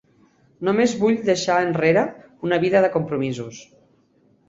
Només vull deixar enrere una vida de compromisos.